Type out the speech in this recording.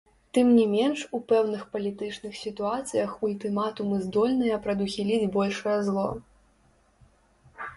Тым не менш у пэўных палітычных сітуацыях ультыматумы здольныя прадухіліць большае зло.